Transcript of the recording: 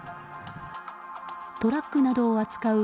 トラックなどを扱う